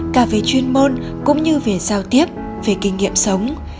cả về chuyên môn cũng như về giao tiếp về kinh nghiệm sống